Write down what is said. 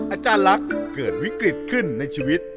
อาจารย์ลักษณ์เกิดวิกฤตขึ้นในชีวิต